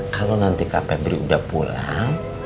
kalau nanti kafe brick udah pulang